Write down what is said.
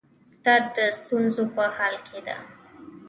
دا د ستونزو په حل کې ده.